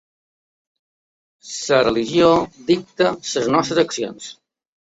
La religió dicta les nostres accions.